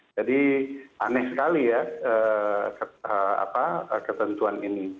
jadi aneh sekali ya ketentuan ini